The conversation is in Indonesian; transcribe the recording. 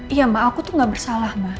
iya ma aku tuh gak bersalah ma